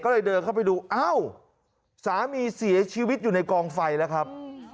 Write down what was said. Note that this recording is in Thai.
ก็เลยเดินเข้าไปดูอ้าวสามีเสียชีวิตอยู่ในกองไฟแล้วครับ